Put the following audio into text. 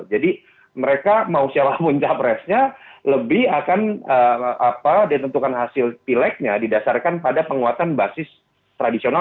jadi mereka mau selambung capresnya lebih akan ditentukan hasil pileknya didasarkan pada penguatan basis tradisional